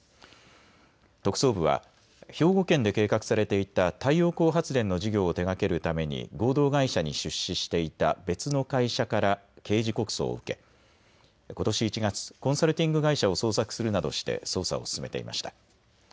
特捜部は兵庫県で計画されていた太陽光発電の事業を手がけるために合同会社に出資していた別の会社から刑事告訴を受けことし１月、コンサルティング会社を捜索するなどして捜査を進めていました。